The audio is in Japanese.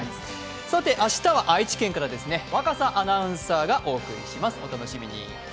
明日は愛知県からですね、若狭アナウンサーがお送りします、お楽しみに。